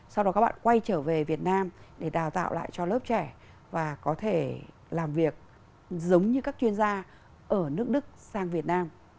sau đó các bạn quay trở về việt nam để đào tạo lại cho lớp trẻ và có thể làm việc giống như các chuyên gia ở nước đức sang việt nam